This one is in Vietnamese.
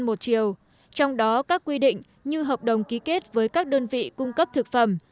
một chiều trong đó các quy định như hợp đồng ký kết với các đơn vị cung cấp thực phẩm